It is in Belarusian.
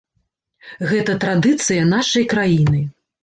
Гэта традыцыя нашай краіны.